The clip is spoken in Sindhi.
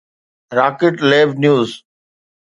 rocket lab news